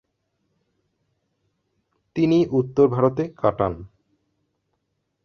তিনি উত্তর ভারতে কাটান।